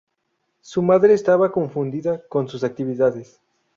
Su madre estaba confundida con sus actividades.